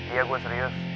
iya gua serius